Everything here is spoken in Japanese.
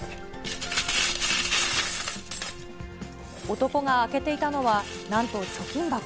男が開けていたのは、なんと貯金箱。